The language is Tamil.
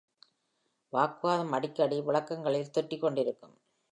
வாக்குவாதம் அடிக்கடி விளக்கங்களில் தொற்றிக்கொண்டிருக்கும்.